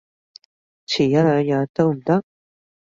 遲一兩日都唔得？